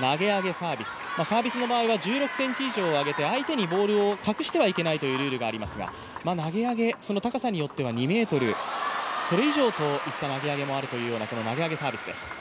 投げ上げサービス、サービスの場合は１６ｃｍ以上上げて相手にボールを隠してはいけないというルールがありますが、投げ上げ、その高さによっては２ｍ、それ以上といった投げ上げもあるという投げ上げサービスです。